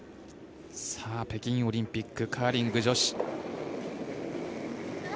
さあ、北京オリンピックカーリング女子。